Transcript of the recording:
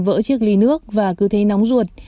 vỡ chiếc ly nước và cứ thấy nóng ruột